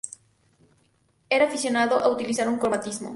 Era aficionado a utilizar el cromatismo.